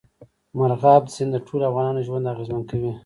مورغاب سیند د ټولو افغانانو ژوند اغېزمن کوي.